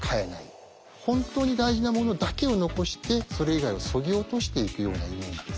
本当に大事なものだけを残してそれ以外をそぎ落としていくようなイメージですね。